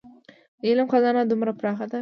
د علم خزانه دومره پراخه ده.